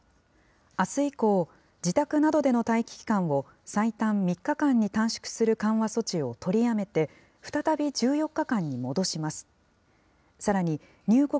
あす以降、自宅などでの待機期間を、最短３日間に短縮する緩和措置を取りやめて、再び１４日間に戻します。